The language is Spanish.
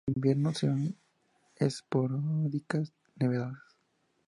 En invierno, se dan esporádicas nevadas.